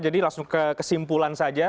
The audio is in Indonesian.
jadi langsung ke kesimpulan saja